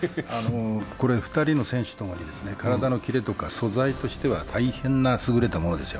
２人の選手とも体のキレとか素材は大変優れたものですよ。